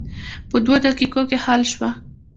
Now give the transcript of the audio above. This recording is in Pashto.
په دوه دقیقو کې حل شوه.